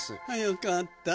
よかった。